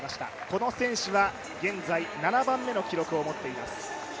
この選手は現在７番目の記録を持っています。